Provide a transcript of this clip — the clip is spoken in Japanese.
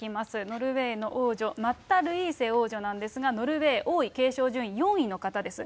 ノルウェーの王女、マッタ・ルイーセ王女なんですが、ノルウェー王位継承順位４位の方です。